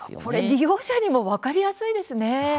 利用者には分かりやすいですね。